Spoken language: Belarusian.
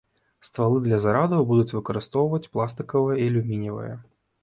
Ствалы для зарадаў будуць выкарыстоўваць пластыкавыя і алюмініевыя.